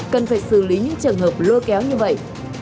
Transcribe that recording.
cần phải xử lý những trường hợp lôi kéo như vậy